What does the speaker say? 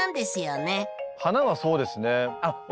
花はそうですね。